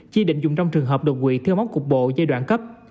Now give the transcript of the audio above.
chỉ định dùng trong trường hợp độc quỵ thiếu móc cục bộ giai đoạn cấp